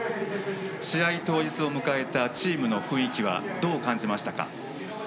試合当日を迎えたチームの雰囲気はどう感じました。